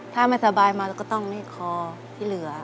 ถ้ามันสบายมาก็ต้องมีคลอที่เหลือ